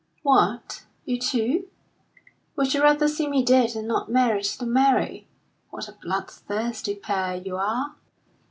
"What, you too? Would you rather see me dead than not married to Mary? What a bloodthirsty pair you are!"